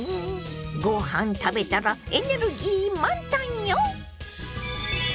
ご飯食べたらエネルギー満タンよ！